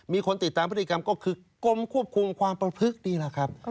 มีคนติดตามพฤติกรรมก็คือกรมควบคุมความประพฤกษ์นี่แหละครับ